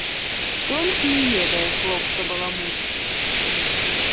Толькі й ведае хлопца баламуціць.